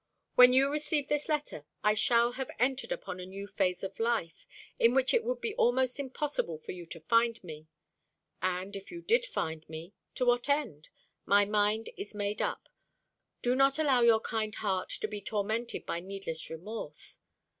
When you receive this letter I shall have entered upon a new phase of life, in which it would be almost impossible for you to find me and if you did find me, to what end? My mind is made up. Do not allow your kind heart to be tormented by needless remorse.